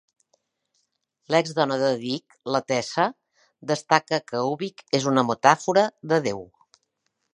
L'exdona de Dick, la Tessa, destaca que "Ubik" és una metàfora de Déu.